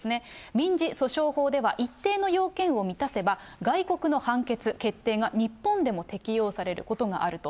民事訴訟法では、一定の要件を満たせば、外国の判決・決定が日本でも適用されることがあると。